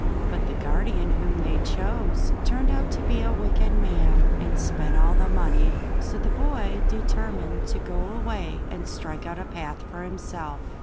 But the guardian whom they chose turned out to be a wicked man, and spent all the money, so the boy determined to go away and strike out a path for himself.